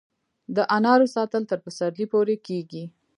د انارو ساتل تر پسرلي پورې کیږي؟